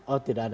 oh tidak ada